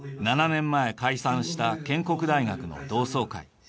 ７年前解散した建国大学の同窓会。